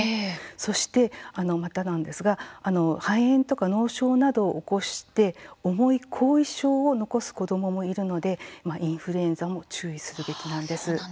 そして、またなんですが肺炎とか脳症などを起こして重い後遺症を残す子どももいるので、インフルエンザも注意するべきなんです。